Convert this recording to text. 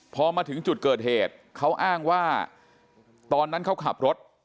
พอมาถึงจุดเกิดเหตุเขาอ้างว่าตอนนั้นเขาขับรถ